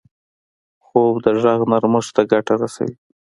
خوب د غږ نرمښت ته ګټه رسوي